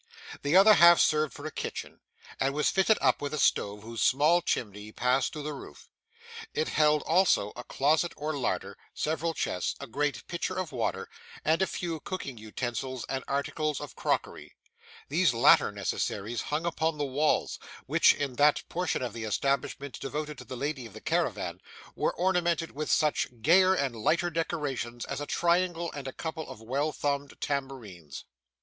The other half served for a kitchen, and was fitted up with a stove whose small chimney passed through the roof. It held also a closet or larder, several chests, a great pitcher of water, and a few cooking utensils and articles of crockery. These latter necessaries hung upon the walls, which, in that portion of the establishment devoted to the lady of the caravan, were ornamented with such gayer and lighter decorations as a triangle and a couple of well thumbed tambourines.